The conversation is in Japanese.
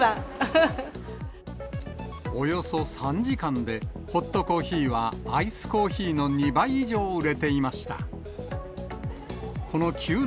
およそ３時間で、ホットコーヒーはアイスコーヒーの２倍以上売れていました。